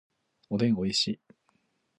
おでんおいしい